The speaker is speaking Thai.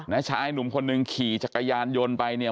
ชายหนุ่มคนหนึ่งขี่จักรยานยนต์ไปเนี่ย